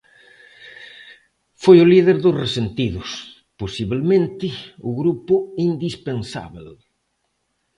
Foi o líder dos Resentidos, posibelmente o grupo indispensábel.